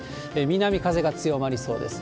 南風が強まりそうです。